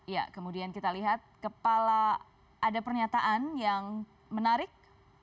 ya kemudian kita lihat kepala ada pernyataan yang menarik